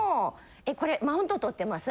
えっこれマウントとってます？